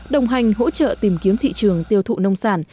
đồng hành hỗ trợ tìm kiếm thị trường tiêu thụ nông sản